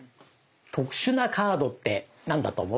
特殊なカードって何だと思う？